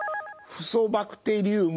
フソバクテリウム？